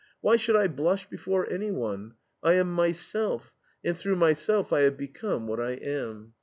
Why should I blush before anyone? I am myself, and through myself I have become what I am."